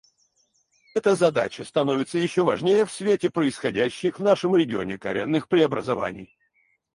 Эта задача становится еще важнее в свете происходящих в нашем регионе коренных преобразований.